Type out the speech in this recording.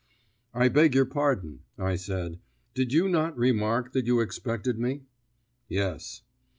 "I beg your pardon," I said; "did you not remark that you expected me?" "Yes."